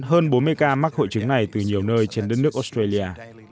hơn bốn mươi ca mắc hội chứng này từ nhiều nơi trên đất nước australia